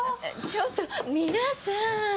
ちょっと皆さん。